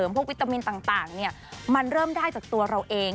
พวกวิตามินต่างมันเริ่มได้จากตัวเราเอง